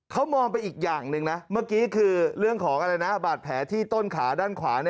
เขามองไปอีกอย่างหนึ่งนะเมื่อกี้คือเรื่องของอะไรนะบาดแผลที่ต้นขาด้านขวา